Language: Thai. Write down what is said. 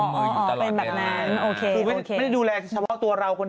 ไม่ได้ดูแลแบบสวกตัวเราหรอก